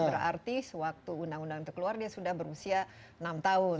berarti sewaktu undang undang itu keluar dia sudah berusia enam tahun